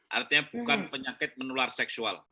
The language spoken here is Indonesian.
artinya bukan penyakit menular seksual